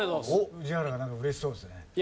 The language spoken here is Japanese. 宇治原がなんか嬉しそうですね。